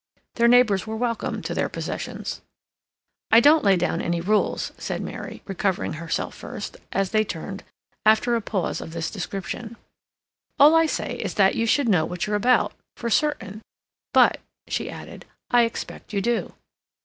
Their neighbors were welcome to their possessions. "I don't lay down any rules,"' said Mary, recovering herself first, as they turned after a long pause of this description. "All I say is that you should know what you're about—for certain; but," she added, "I expect you do."